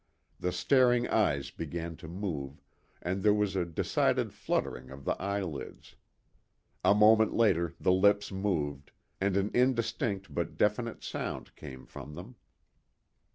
The staring eyes began to move, and there was a decided fluttering of the eyelids. A moment later the lips moved, and an indistinct but definite sound came from them.